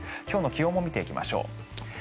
今日の気温も見ていきましょう。